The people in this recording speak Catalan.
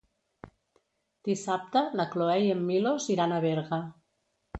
Dissabte na Cloè i en Milos iran a Berga.